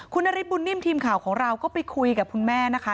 คุณนฤทธบุญนิ่มทีมข่าวของเราก็ไปคุยกับคุณแม่นะคะ